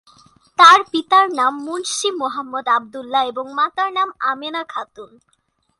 তার পিতার নাম মুন্সি মুহাম্মদ আব্দুল্লাহ এবং মাতার নাম আমেনা খাতুন।